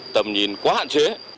tầm nhìn quá hạn chế